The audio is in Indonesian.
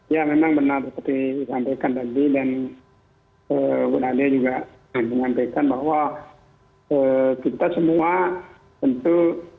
ya memang benar seperti disampaikan tadi dan bu nadia juga menyampaikan bahwa kita semua tentu